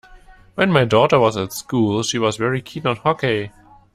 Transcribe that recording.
When my daughter was at school she was very keen on hockey